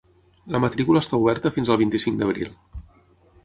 La matrícula està oberta fins al vint-i-cinc d’abril.